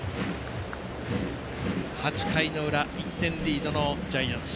８回の裏１点リードのジャイアンツ。